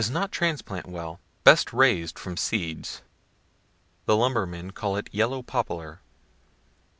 not transplant well; best rais'd the Elm. from seeds (the lumbermen Chesnut. call it yellow poplar.)